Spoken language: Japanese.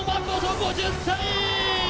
５０歳。